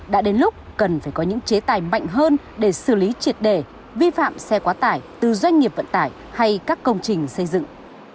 đã đến lúc cần phải có những chế tài mạnh hơn để xử lý triệt đề vi phạm xe quá tải từ doanh nghiệp vận tải hay các công trình xây dựng